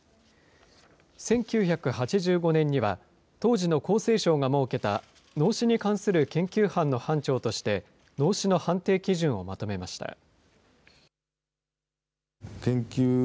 １９８５年には、当時の厚生省が設けた脳死に関する研究班の班長として、脳死の判定基準をまとめました。